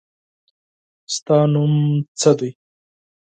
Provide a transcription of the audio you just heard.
ستا نوم څه دی؟